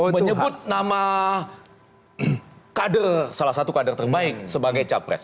menyebut nama kader salah satu kader terbaik sebagai capres